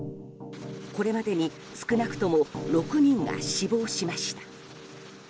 これまでに少なくとも６人が死亡しました。